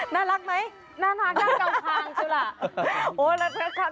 น่ารักไหมน่ารักจ้ะเก่าคางจริง